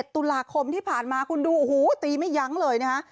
ตุลาคมที่ผ่านมาคุณดูโอ้โหตีไม่ยั้งเลยนะฮะ